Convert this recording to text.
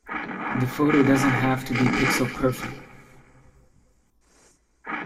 The photo doesn't have to be pixel perfect.